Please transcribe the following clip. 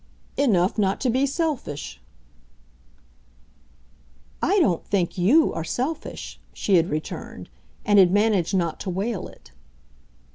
"Enough not to be selfish." "I don't think YOU are selfish," she had returned and had managed not to wail it.